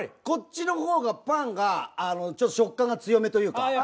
こっちの方がパンがちょっと食感が強めというか。